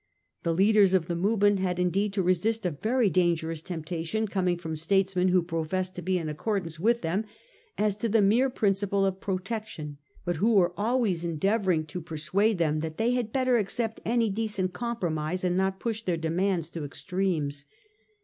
The leaders of the movement had indeed to resist a very dangerous temptation coming from statesmen who professed to be in accordance with them as to the mere principle of protection, but who were always endeavouring to persuade them that they had better accept any decent compromise and not push their demands to extremes.